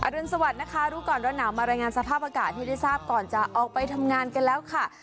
รุนสวัสดิ์นะคะรู้ก่อนร้อนหนาวมารายงานสภาพอากาศให้ได้ทราบก่อนจะออกไปทำงานกันแล้วค่ะ